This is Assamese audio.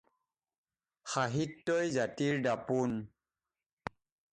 সাহিত্যই জাতিৰ দাপোন।